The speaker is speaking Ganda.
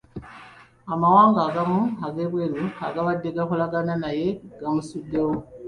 Amawanga agamu ag'ebweru agabadde gakolagana naye gamusuddewo.